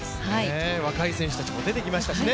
若い選手たちも出てきましたしね。